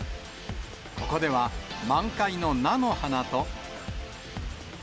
ここでは、満開の菜の花と。